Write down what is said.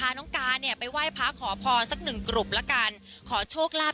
อย่างการเนี่ยไปไหว่พระขอพรสักหนึ่งกลบละกันขอช่วงลาบ